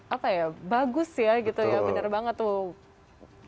apa ya bagus ya gitu ya bener banget tuh